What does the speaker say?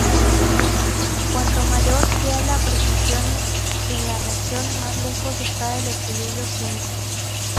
Cuanto mayor sea la presión en la reacción más lejos están del equilibrio químico.